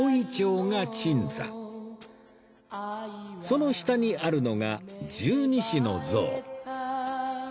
その下にあるのが十二支の像